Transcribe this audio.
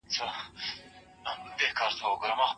دموږ خپل خوب رښتیا کوو.